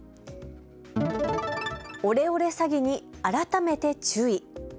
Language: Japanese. オレオレ詐欺に改めて注意。